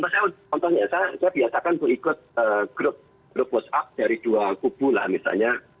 contohnya saya biasakan ikut grup whatsapp dari dua kubu lah misalnya